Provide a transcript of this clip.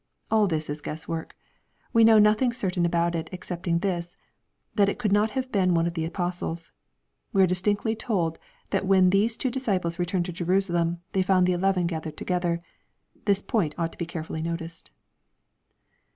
All this is guesswork. We know nothing certain about it, excepting this^ that it could not have been one of the apostles. We are distinctly told that when these two disciples returned to Jerusalem, " tliey found the eleven gathered together." — This point ought to be care fully noticed.